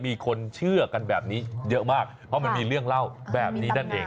มีคนเชื่อกันแบบนี้เยอะมากเพราะมันมีเรื่องเล่าแบบนี้นั่นเอง